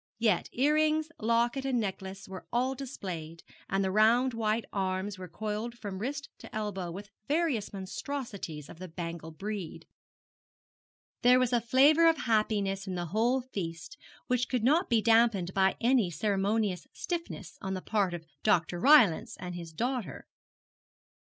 Yet earrings, locket, and necklace were all displayed, and the round white arms were coiled from wrist to elbow with various monstrosities of the bangle breed. There was a flavour of happiness in the whole feast which could not be damped by any ceremonious stiffness on the part of Dr. Rylance and his daughter.